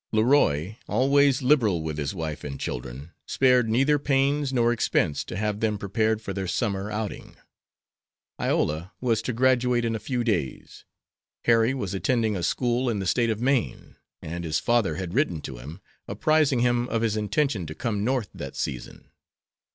Leroy, always liberal with his wife and children, spared neither pains nor expense to have them prepared for their summer outing. Iola was to graduate in a few days. Harry was attending a school in the State of Maine, and his father had written to him, apprising him of his intention to come North that season.